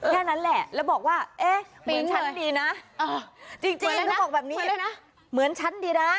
แค่นั้นแหละแล้วบอกว่าเอ๊ะเหมือนฉันดีนะจริงแล้วบอกแบบนี้เหมือนฉันดีนะ